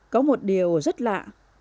có một điều rất lạ